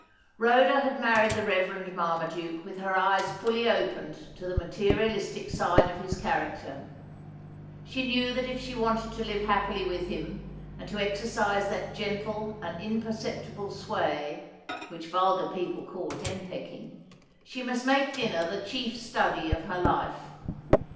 Rhoda had married the Reverend Marmaduke with her eyes fuUy opened to the materialistic side of his character. She knew that if she wanted to live happily with him and to exercise that gentle and imperceptible sway, which vulgar people call hen pecking, she must make dinner the chief study of her life.